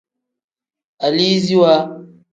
Aliziwa.